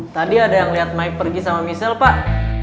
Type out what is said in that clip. tadi ada yang lihat mike pergi sama michelle pak